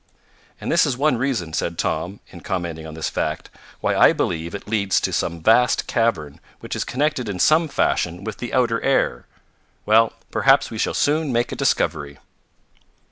"And this is one reason," said Tom, in commenting on this fact, "why I believe it leads to some vast cavern which is connected in some fashion with the outer air. Well, perhaps we shall soon make a discovery."